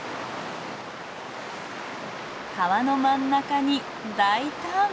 川の真ん中に大胆！